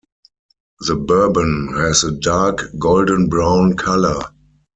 The bourbon has a dark, golden-brown color.